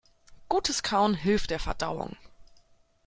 Gutes Kauen hilft der Verdauung.